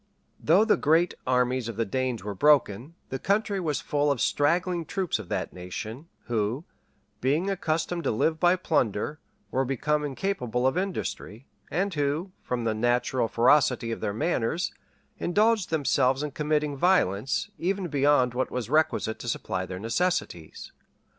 Though the great armies of the Danes were broken, the country was full of straggling troops of that nation, who, being accustomed to live by plunder, were become incapable of industry; and who, from the natural ferocity of their manners, indulged themselves in committing violence, even beyond what was requisite to supply their necessities.